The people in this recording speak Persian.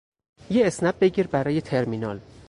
یه اسنپ بگیر برای ترمینال